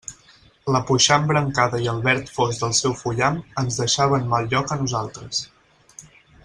La puixant brancada i el verd fosc del seu fullam ens deixava en mal lloc a nosaltres.